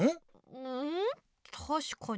うんたしかに。